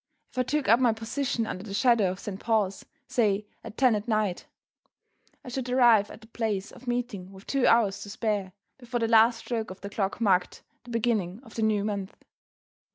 If I took up my position "under the shadow of Saint Paul's," say, at ten that night, I should arrive at the place of meeting with two hours to spare, before the last stroke of the clock marked the beginning of the new month.